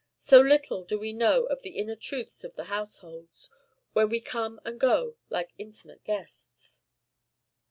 So little do we know of the inner truths of the households, where we come and go like intimate guests!)